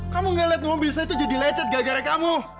kamu gak lihat mobil saya tuh jadi lecet gak gara gara kamu